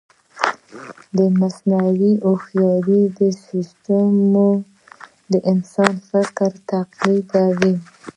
د مصنوعي هوښیارۍ سیسټمونه د انسان فکر تقلیدوي.